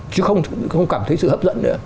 chứ không cảm thấy sự hấp dẫn nữa